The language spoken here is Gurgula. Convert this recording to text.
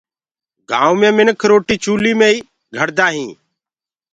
گآئونٚ مي مِنک روٽي چوليٚ مي ئي پڪآندآ هينٚ